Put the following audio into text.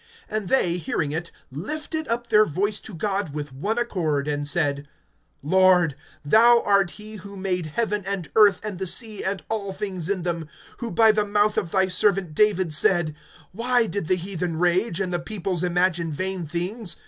(24)And they, hearing it, lifted up their voice to God with one accord, and said: Lord, thou art he who made heaven, and earth, and the sea, and all things in them; (25)who by the mouth of thy servant David said: Why did the heathen rage[4:25], And the peoples imagine vain things?